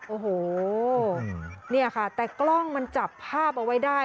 โอ้โหเนี่ยค่ะแต่กล้องมันจับภาพเอาไว้ได้